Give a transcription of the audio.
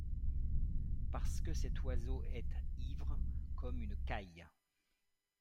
Parce que cet oiseau est ivre comme une caille.